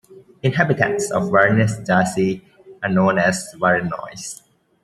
Inhabitants of Varennes-Jarcy are known as "Varennois".